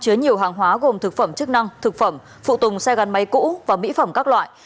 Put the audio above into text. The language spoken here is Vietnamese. chứa nhiều hàng hóa gồm thực phẩm chức năng thực phẩm phụ tùng xe gắn máy cũ và mỹ phẩm các loại